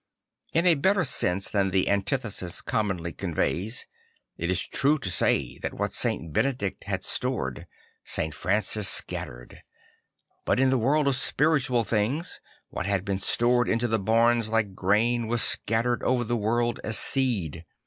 In a better sense than the antithesis commonly conveys, it is true to say that what St. Benedict had stored St. Francis scattered: but in the world of spiritual things what had been stored into the barns like grain was scattered over the world as seed.